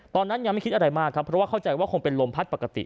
ตอนนั้นยังไม่คิดอะไรมากครับเพราะว่าเข้าใจว่าคงเป็นลมพัดปกติ